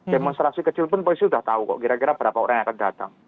demonstrasi kecil pun polisi sudah tahu kok kira kira berapa orang yang akan datang